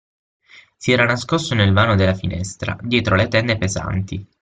Si era nascosto nel vano della finestra, dietro le tende pesanti.